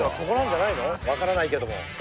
分からないけども。